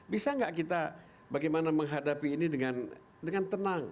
bisa nggak kita bagaimana menghadapi ini dengan tenang